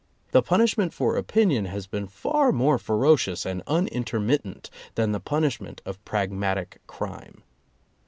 The punishment for opinion has been far more fero cious and unintermittent than the punishment of pragmatic crime.